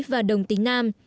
và đồng tính nam